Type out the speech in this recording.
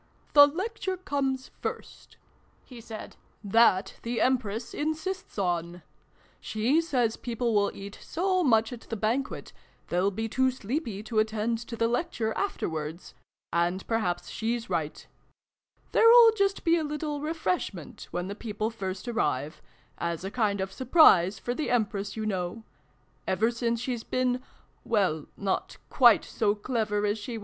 The Lecture comes first," he said. " That the Empress insists on. She says people will eat so much at the Ban quet, they'll be too sleepy to attend to the Lecture afterwards and perhaps she's right. There'll just be a little refreshment, when the people first arrive as a kind of surprise for the Empress, you know. Ever since she's been well, not quite so clever as she xx] GAMMON AND SPINACH.